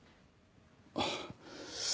あっ。